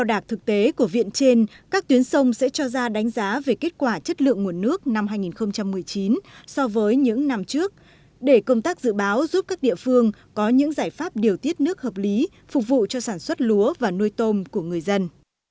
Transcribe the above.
đo đạc thực tế của viện trên các tuyến sông sẽ cho ra đánh giá về kết quả chất lượng nguồn nước năm hai nghìn một mươi chín so với những năm trước để công tác dự báo giúp các địa phương có những giải pháp điều tiết nước hợp lý phục vụ cho sản xuất lúa và nuôi tôm của người dân